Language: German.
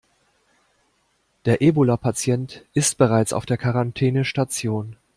Der Ebola-Patient ist bereits auf der Quarantänestation.